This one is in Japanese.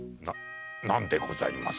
何でございます？